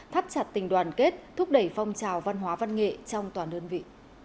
thắt chặt tình đoàn kết thúc đẩy phong trào văn hóa văn nghệ trong toàn đơn vị